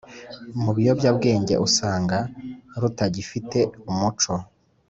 mu biyobyabwenge usanga rutagifite umuco.